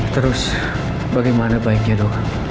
terus bagaimana baiknya dong